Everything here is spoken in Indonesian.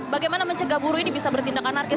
bagaimana mencegah buru ini bisa bertindakan narkis